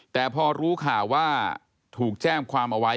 แต่พอรู้ข่าวว่าถูกแจ้งความเอาไว้